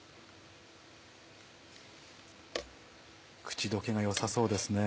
口溶けが良さそうですね。